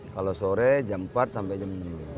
kalau sore jam empat sampai jam enam